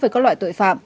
với các loại tội phạm